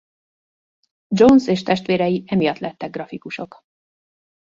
Jones és testvérei emiatt lettek grafikusok.